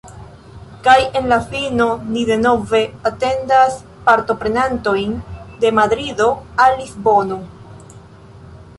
Kaj en la fino ni denove atendas partoprenantojn de Madrido al Lisbono.